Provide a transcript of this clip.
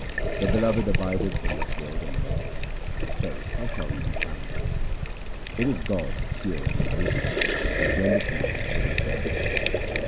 The Beloved abideth in this world and the next ; say how shall He be found ? It is God the pure and invisible who blendeth man with Himself.